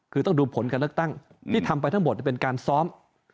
คือต้องดูผลการเลือกตั้งที่ทำไปทั้งหมดเป็นการซ้อม